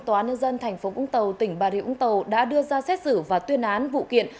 tòa án nhân dân tp vũng tàu tỉnh bà rịa vũng tàu đã đưa ra xét xử và tuyên án vụ kiện